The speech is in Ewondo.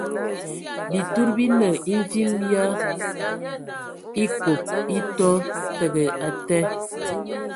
Bitud bi nə e mvim yə a ekob e tɔ təgɛ atɛ.